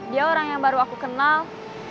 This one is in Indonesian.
dia orang yang baru aku kenal